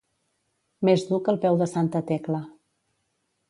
Més dur que el peu de santa Tecla.